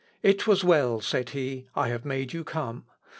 "It was well," said he, "I made you come.